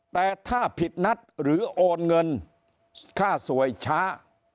แต่ถ้าผิดนัดหรือโอนเงินค่าสวยช้า